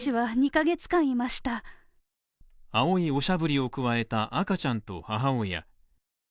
青いおしゃぶりをくわえた赤ちゃんと母親。